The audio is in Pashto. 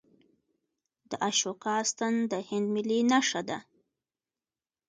د اشوکا ستن د هند ملي نښه ده.